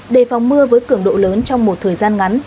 đề phòng mưa với cường độ lớn trong một thời gian ngắn